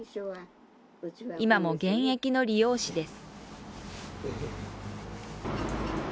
今も現役の理容師です。